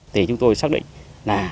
thì chúng tôi xác định là